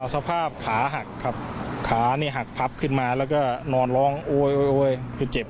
สภาพขาหักครับขานี่หักพับขึ้นมาแล้วก็นอนร้องโอ๊ยคือเจ็บ